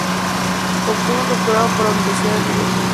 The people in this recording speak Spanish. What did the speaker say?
Obtuvo un doctorado por la Universidad de Liverpool.